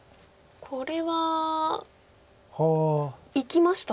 これはいきましたね。